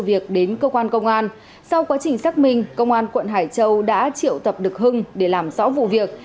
hưng đã đưa sự việc đến cơ quan công an sau quá trình xác minh công an quận hải châu đã triệu tập được hưng để làm rõ vụ việc